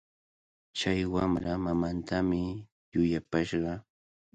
Chay wamra mamantami llullapashqa.